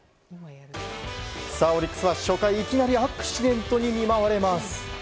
オリックスは初回いきなりアクシデントに見舞われます。